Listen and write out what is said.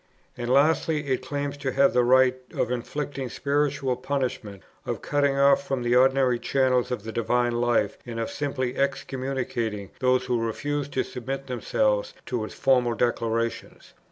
And lastly, it claims to have the right of inflicting spiritual punishment, of cutting off from the ordinary channels of the divine life, and of simply excommunicating, those who refuse to submit themselves to its formal declarations.